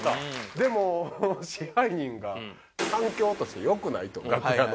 でも支配人が環境として良くないと楽屋の。